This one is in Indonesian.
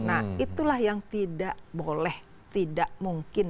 nah itulah yang tidak boleh tidak mungkin